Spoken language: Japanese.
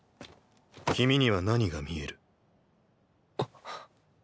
君には何が見える？あっ。